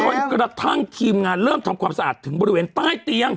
จนกระทั่งทีมงานเริ่มทำความสะอาดถึงบริเวณใต้เตียง